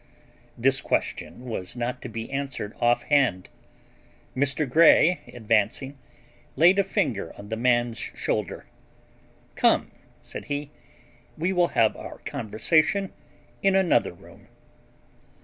This question was not to be answered offhand. Mr. Grey, advancing, laid a finger on the man's shoulder. "Come," said he, "we will have our conversation in another room."